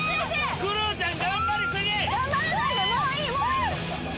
クルーちゃん頑張り過ぎ。